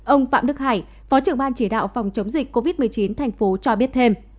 ông phạm đức hải phó trưởng ban chỉ đạo phòng chống dịch covid một mươi chín thành phố cho biết thêm